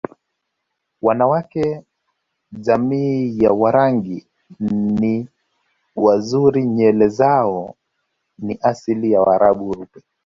Wanawake jamii ya Warangi ni wazuri nywele zao ni asili ya waraabu weupe